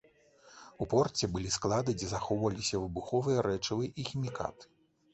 У порце былі склады, дзе захоўваліся выбуховыя рэчывы і хімікаты.